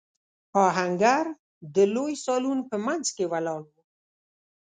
آهنګر د لوی سالون په مينځ کې ولاړ و.